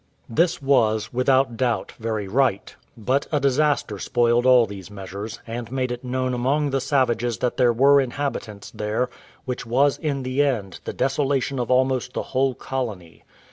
This was, without doubt, very right; but a disaster spoiled all these measures, and made it known among the savages that there were inhabitants there; which was, in the end, the desolation of almost the whole colony.